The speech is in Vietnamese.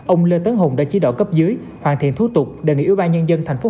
ông lê tuấn hùng đã chỉ đỏ cấp dưới hoàn thiện thủ tục đề nghị ủy ban nhân dân thành phố